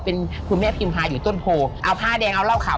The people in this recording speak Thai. เป็นคุณแม่พิมพาอยู่ต้นโพเอาผ้าแดงเอาเหล้าขาว